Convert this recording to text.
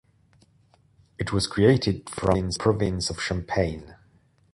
It was created from the province of Champagne.